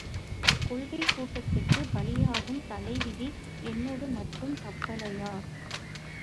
கொள்ளைக் கூட்டத்துக்குப் பலியாகும் தலைவிதி என்னோடு மட்டும் தப்பலையா?